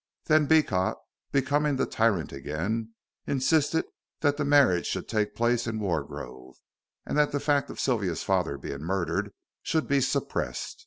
Then Beecot, becoming the tyrant again, insisted that the marriage should take place in Wargrove, and that the fact of Sylvia's father being murdered should be suppressed.